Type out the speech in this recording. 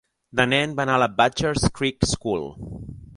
De nen, va anar a la Butchers Creek School.